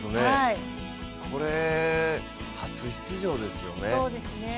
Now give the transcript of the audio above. これ、初出場ですよね。